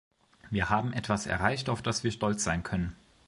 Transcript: Wir haben etwas erreicht, auf das wir stolz sein können.